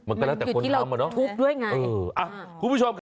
มันคือที่เราทุกข์ด้วยไงคุณผู้ชมค่ะ